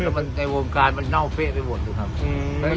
แต่ในวงการมันเน่าเฟ้ไปหมดดูครับ